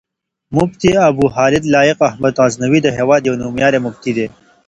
مفتي ابوخالد لائق احمد غزنوي، د هېواد يو نوميالی مفتی دی